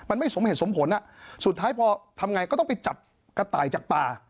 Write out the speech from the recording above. มันไม่สมเหตุสมผลสุดท้ายพอทำไงก็ต้องไปจับกระต่ายจากป่า